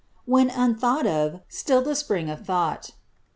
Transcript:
" when unthought of, still the spring of thought."